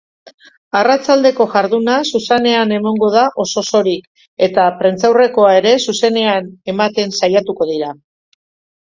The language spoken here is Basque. Arratsaldeko jarduna zuzenean emango da oso-osorik eta prentsaurrekoa ere zuzenean ematen saiatuko dira.